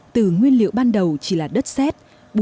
từ nguyên liệu ban đầu chỉ là đất xét